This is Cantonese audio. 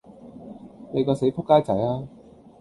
你個死仆街仔吖！